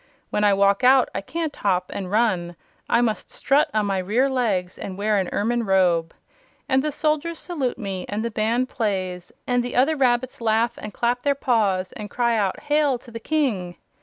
When I walk out I can't hop and run; I must strut on my rear legs and wear an ermine robe! And the soldiers salute me and the band plays and the other rabbits laugh and clap their paws and cry out: 'Hail to the King!'